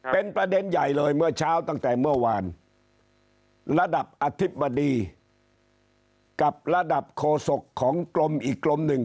เป็นประเด็นใหญ่เลยเมื่อเช้าตั้งแต่เมื่อวานระดับอธิบดีกับระดับโคศกของกรมอีกกรมหนึ่ง